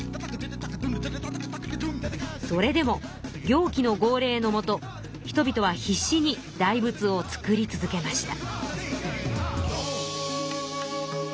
それでも行基の号令のもと人々は必死に大仏を造り続けました。